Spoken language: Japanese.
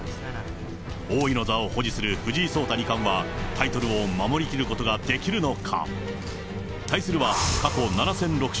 王位の座を保持する藤井聡太二冠は、タイトルを守りきることができるのか。